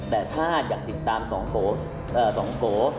แต่ถ้าอยากติดตาม๒โก